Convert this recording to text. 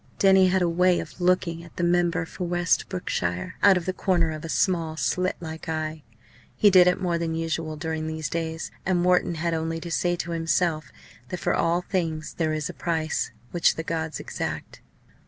Denny had a way of looking at the member for West Brookshire out of the corner of a small, slit like eye. He did it more than usual during these days, and Wharton had only to say to himself that for all things there is a price which the gods exact.